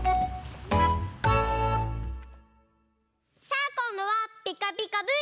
さあこんどは「ピカピカブ！」